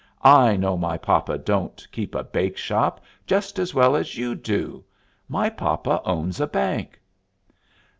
"I know my papa don't keep a bake shop just as well as you do. My papa owns a bank."